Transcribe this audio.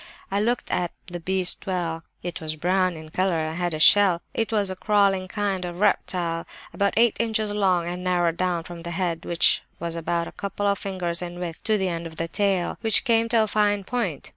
I looked at the beast well; it was brown in colour and had a shell; it was a crawling kind of reptile, about eight inches long, and narrowed down from the head, which was about a couple of fingers in width, to the end of the tail, which came to a fine point.